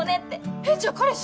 えっじゃあ彼氏？